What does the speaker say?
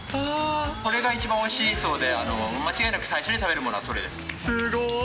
それが一番おいしいそうで、間違いなく最初に食べるものはそすごい。